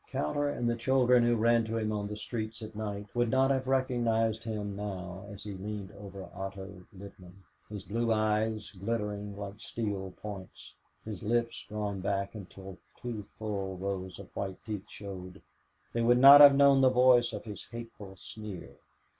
Cowder and the children who ran to him on the street at night would not have recognized him now as he leaned over Otto Littman his blue eyes glittering like steel points, his lips drawn back until two full rows of white teeth showed they would not have known the voice with its hateful sneer.